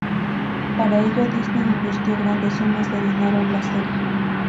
Para ello, Disney invirtió grandes sumas de dinero en la serie.